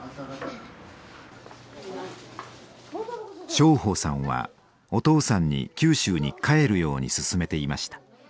荘保さんはお父さんに九州に帰るように勧めていました。